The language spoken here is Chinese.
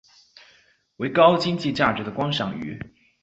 为高经济价值的观赏鱼。